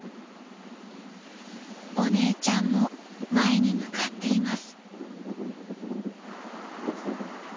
［お姉ちゃんも前に向かっています］